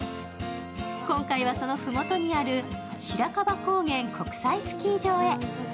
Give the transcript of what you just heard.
今回はそのふもとにある白樺高原国際スキー場へ。